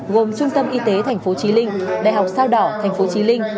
gồm trung tâm y tế tp trí linh đại học sao đỏ tp trí linh